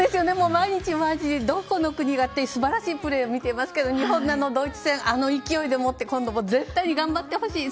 毎日毎日どこの国もすばらしいプレーを見ていますけど日本はドイツ戦の勢いをもって今度も絶対に頑張ってほしい。